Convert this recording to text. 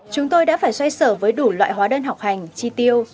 chúng tôi đã phải xoay sở với đủ loại hóa đơn học hành chi tiêu